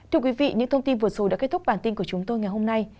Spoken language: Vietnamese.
thưa quý vị những thông tin vượt xu đã kết thúc bản tin của chúng tôi ngày hôm nay